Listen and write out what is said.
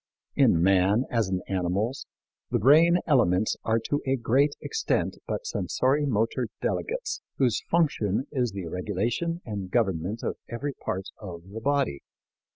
In man, as in animals, the brain elements are to a great extent but sensori motor delegates whose function is the regulation and government of every part of the body.